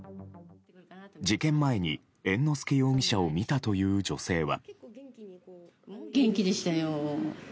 事件前に猿之助容疑者を見たという女性は。